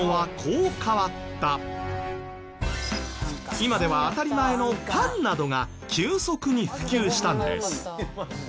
今では当たり前のパンなどが急速に普及したんです。